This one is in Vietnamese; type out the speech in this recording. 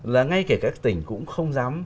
là ngay cả các tỉnh cũng không dám